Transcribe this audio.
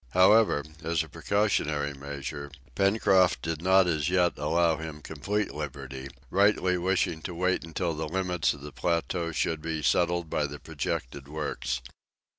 However, as a precautionary measure, Pencroft did not as yet allow him complete liberty, rightly wishing to wait until the limits of the plateau should be settled by the projected works.